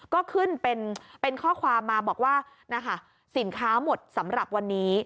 ก็ขึ้นเป็นข้อความมาบอกว่านะคะสินค้าหมดสำหรับวันนี้